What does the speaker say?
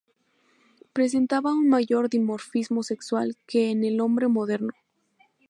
Presentaba un mayor dimorfismo sexual que en el hombre moderno.